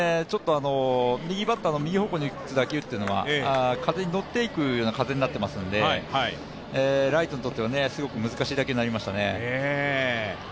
右バッターの右方向に打つ打球は風に乗っていくような形になっていますのでライトにとってはすごく難しい打球になりましたね。